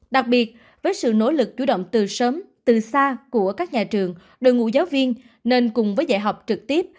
đặc biệt với sự nỗ lực chủ động từ sớm từ xa của các nhà trường đội ngũ giáo viên nên cùng với dạy học trực tiếp